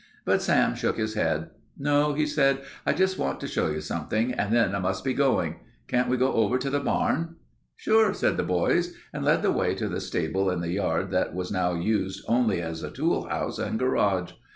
But Sam shook his head. "No," said he, "I just want to show you something, and then I must be goin'. Can't we go over to the barn?" "Sure," said the boys, and led the way to the stable in the yard that was now used only as a tool house and garage.